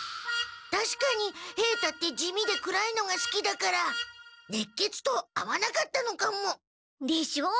たしかに平太って地味で暗いのがすきだからねっけつと合わなかったのかも。でしょ？